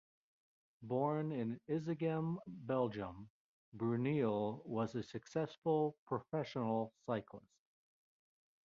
Born in Izegem, Belgium, Bruyneel was a successful professional cyclist.